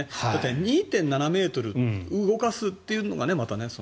２．７ｍ動かすというのが。